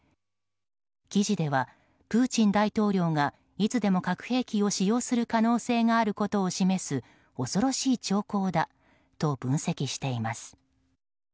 記事ではプーチン大統領がいつでも核兵器を使用する可能性があることを示す恐ろしい兆候だと分析しています。